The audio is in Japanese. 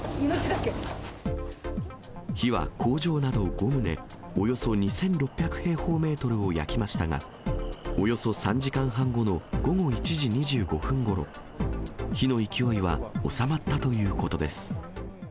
火は工場など５棟、およそ２６００平方メートルを焼きましたが、およそ３時間半後の午後１時２５分ごろ、火の勢いは収まったということです。